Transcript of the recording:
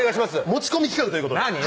持ち込み企画ということで何？